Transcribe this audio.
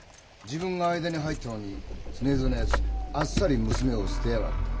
自分が間に入ったのに常蔵の奴あっさり娘を捨てやがった。